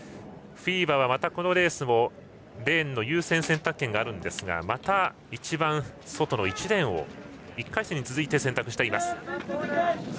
フィーバはまたこのレースもレーンの優先選択権がありますがまた一番外、１レーンを１回戦に続いて選択しています。